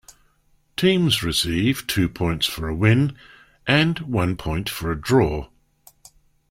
Teams received two points for a win and one point for a draw.